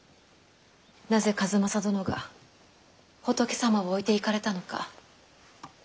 なぜ数正殿が仏様を置いていかれたのか。